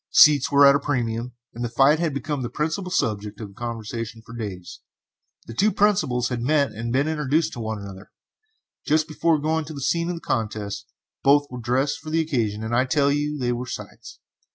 Seats were at a premium, and the fight had been the principal subject of conversation for days. The two principals had met and been introduced to one another, just before going to the scene of the contest. Both were dressed for the occasion, and I tell you they were sights!